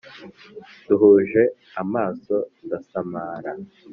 Duhuje amaso ndasamara